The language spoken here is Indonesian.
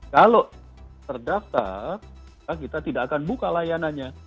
kalau terdaftar kita tidak akan buka layanannya